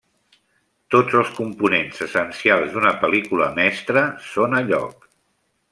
Tots els components essencials d'una pel·lícula mestra són a lloc.